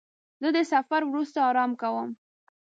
زه د سفر وروسته آرام کوم.